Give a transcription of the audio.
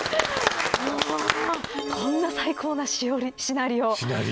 こんな最高なシナリオ。